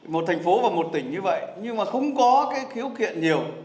một thành phố và một tỉnh như vậy nhưng mà không có cái khiếu kiện nhiều